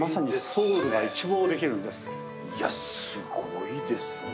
いやすごいですね。